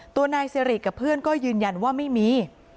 ตัวนายสิริกับเพื่อนก็ยืนยันว่าไม่มี